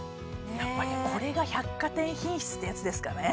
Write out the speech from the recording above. やっぱりこれが百貨店品質ってやつですかね